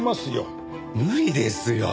無理ですよ。